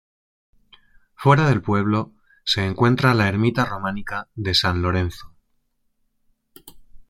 Fuera del pueblo se encuentra la ermita románica de San Lorenzo.